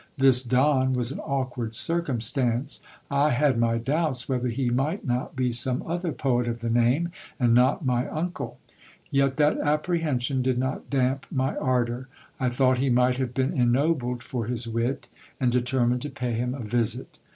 This don was an awkward circumstance : I had my doubts whether he might not be some other poet of the name, and not my uncle. Yet that apprehension did not damp my ardour. I thought he might have been ennobled for his wit, and determined to pay him a visit.